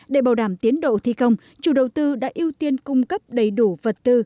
để bảo đảm tiến độ thi công chủ đầu tư đã ưu tiên cung cấp đầy đủ vật tư